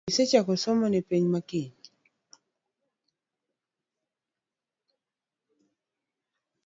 Be isechako somo ne penj ma Kiny?